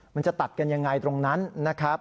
มันจะตัดกันยังไงตรงนั้นนะครับ